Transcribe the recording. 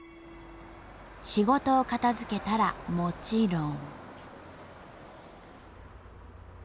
仕事を片づけたらもちろん。